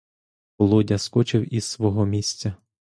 Володя скочив із свого місця.